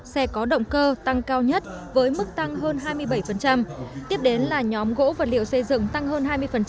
xe có động cơ tăng cao nhất với mức tăng hơn hai mươi bảy tiếp đến là nhóm gỗ vật liệu xây dựng tăng hơn hai mươi